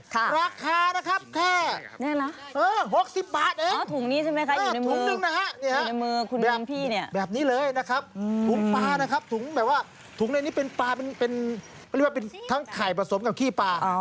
ตรงในนี้เป็นปลาเป็นเรียกว่าเป็นทั้งไข่ผสมกับขี้ปลา